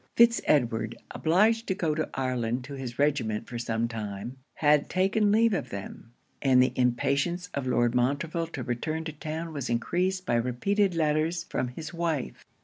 Fitz Edward, obliged to go to Ireland to his regiment for some time, had taken leave of them; and the impatience of Lord Montreville to return to town was encreased by repeated letters from his wife.